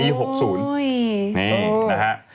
นี่นะฮะ